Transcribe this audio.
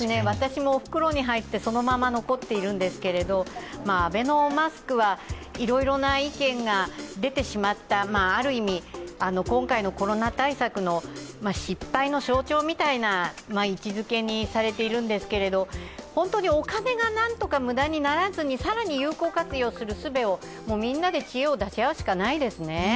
私も袋に入ってそのまま残っているんですけれども、アベノマスクはいろいろな意見が出てしまったある意味、今回のコロナ対策の失敗の象徴みたいな位置づけにされてるんですけど本当にお金がなんとか無駄にならずに更に有効活用するすべをみんなで知恵を出し合うしかないですね。